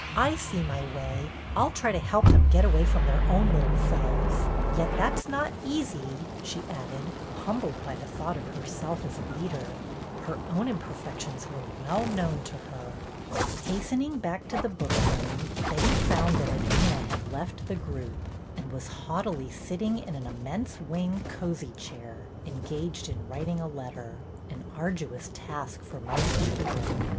"I see my way. I'll try to help them get away from their own little selves — yet that 's not easy," she added, humbled by the thought of herself as a leader. Her own imperfections were well known to her. Hastening back to the book room, Betty found that Edwyna had left the group, and was haughtily sitting in an immense wing cosey chair, engaged in writing a letter, — an arduous task for most children.